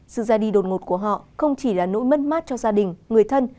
sự ra đi đột ngột của họ không chỉ là nỗi mất mát cho gia đình người thân